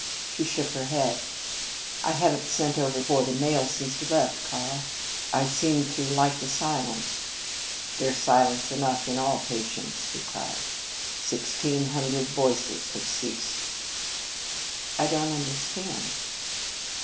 She shook her head. "I haven't sent over for the mail since you left, Karl. I seemed to like the silence." "There's silence enough in all patience!" he cried. "Sixteen hundred voices have ceased." "I don't understand."